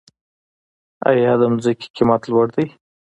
آیا د ځمکې قیمت لوړ دی؟